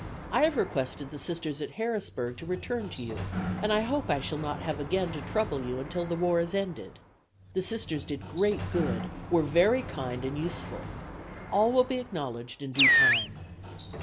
I have requested the Sisters at Harrisburg to return to you and hope I shall not have again to trouble you until the war is ended. The Sisters did great good, were very kind and useful. All will be acknowledged in due time."